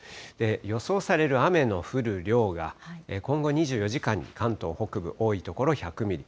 予想される雨の降る量が、今後２４時間に、関東北部、多い所、１００ミリ。